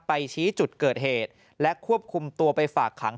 ชี้จุดเกิดเหตุและควบคุมตัวไปฝากขัง